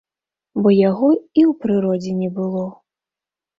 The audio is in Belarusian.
Бо яго і ў прыродзе не было.